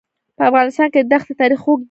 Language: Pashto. په افغانستان کې د دښتې تاریخ اوږد دی.